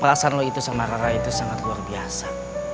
perasaan lo itu sama rara itu sangat luar biasa